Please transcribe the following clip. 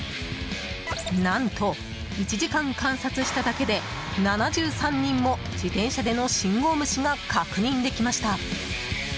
何と、１時間観察しただけで７３人も自転車での信号無視が確認できました。